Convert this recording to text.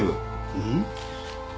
うん？